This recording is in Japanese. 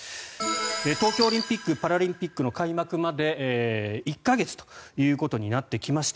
東京オリンピック・パラリンピックの開幕まで１か月ということになってきました。